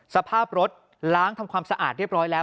สภาพรถล้างทำความสะอาดเรียบร้อยแล้ว